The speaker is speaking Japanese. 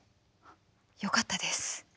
よかったです。